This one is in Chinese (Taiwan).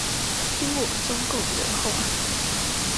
聽我中共的話